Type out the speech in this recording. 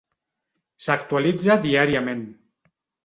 S'actualitza diàriament.